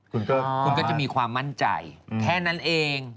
คุณก็จะมีความมั่นใจแค่นั้นเอง